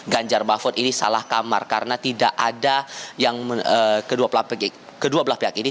ganjar mahfud ini salah kamar karena tidak ada yang kedua belah pihak ini